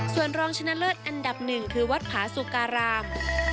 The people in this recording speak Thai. ส่วนรองชนะเลิศอันดับหนึ่งคือวัดผาสุการาม